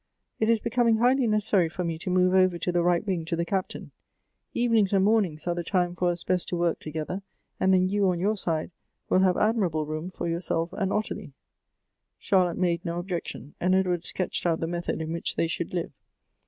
It is becoming highly neces sary for me to move over to the right wing to the Cap tain ; evenings and mornings arc the time for us best to work together, and then you, on your side, will have admirable room for youi self and Ottilie." Charlotte made no objection, and Edward sketched out the method in which they should live.